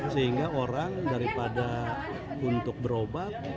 sehingga orang daripada untuk berobat